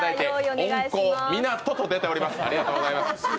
「音効湊」と出ております。